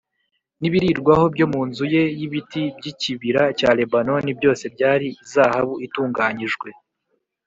n’ibirirwaho byo mu nzu ye y’ibiti by’ikibira cya Lebanoni byose byari izahabu itunganyijwe